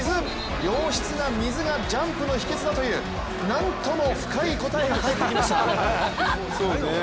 良質な水がジャンプの秘けつだという何とも深い答えが返ってきました。